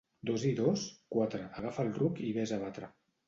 Dos i dos? —Quatre. —Agafa el ruc i vés a batre.